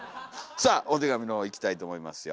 さあお手紙の方いきたいと思いますよ。